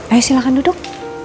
ayo silahkan duduk